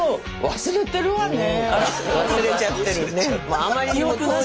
忘れちゃってるね。